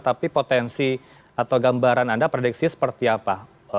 tapi potensi atau gambaran anda prediksi seperti apa